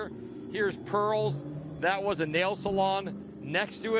di sini ada perl itu adalah salon jari